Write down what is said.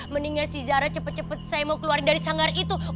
mendingan si zara cepat cepat saya mau keluarin dari sanggar itu